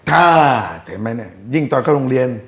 ถ้าเต็มไม่ได้ยิ่งตอนเข้าโรงเรียน